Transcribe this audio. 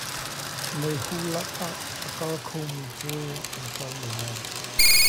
Meihu lak ah a kal khomi cu an tlawm lai.